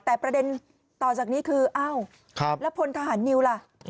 แต่ประเด็นต่อจากนี้คืออ้าวแล้วพลทหารนิวล่ะ